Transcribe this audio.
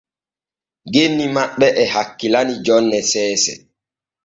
Genni ma ɓe e hakkilani jonne seese.